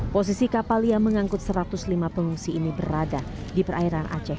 posisi kapal yang mengangkut satu ratus lima pengungsi ini berada di perairan aceh